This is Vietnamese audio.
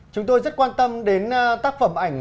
chúng tôi rất quan tâm đến tác phẩm ảnh